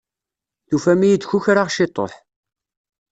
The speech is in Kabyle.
Tufam-iyi-d kukraɣ ciṭuḥ.